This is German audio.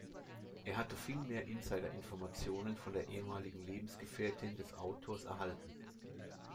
Er hatte vielmehr Insider-Informationen von der ehemaligen Lebensgefährtin des Autors erhalten.